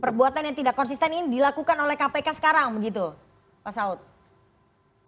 perbuatan yang tidak konsisten ini dilakukan oleh kpk sekarang begitu pak saud